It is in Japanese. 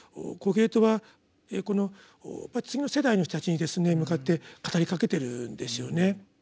コヘレトはこの次の世代の人たちに向かって語りかけてるんですよね。